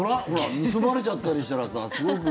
盗まれちゃったりしたらさすごく。